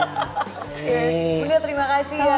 bunda terima kasih ya